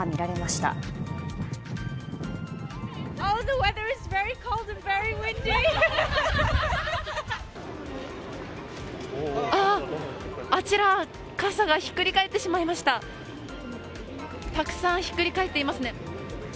たくさんひっくり返っていますね。